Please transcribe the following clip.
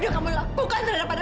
insya allah bu